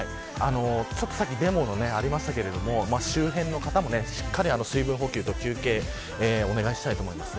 さっきデモがありましたが周辺の方もしっかり水分補給と休憩をお願いしたいと思います。